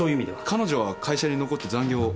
彼女は会社に残って残業を。